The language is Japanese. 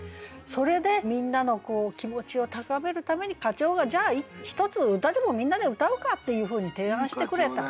それでみんなの気持ちを高めるために課長が「じゃあひとつ歌でもみんなで歌うか」っていうふうに提案してくれた。